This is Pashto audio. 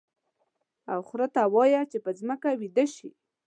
او خر ته ووایه چې په ځمکه ویده شي.